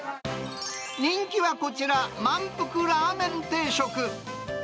人気はこちら、まんぷくラーメン定食。